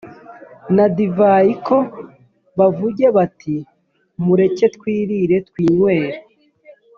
na divayi k bavuge bati mureke twirire twinywere